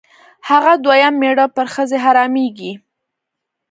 هغه دویم مېړه پر ښځې حرامېږي.